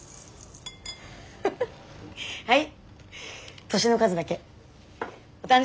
はい。